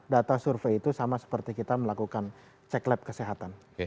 data survei itu sama seperti kita melakukan cek lab kesehatan